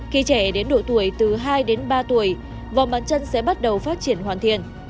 khi trẻ đến độ tuổi từ hai đến ba tuổi vòng bán chân sẽ bắt đầu phát triển hoàn thiện